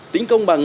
tính công bằng